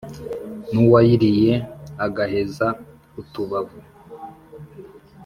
N'uwayiriye agaheza utubavu,